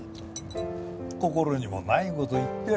心にもない事言って。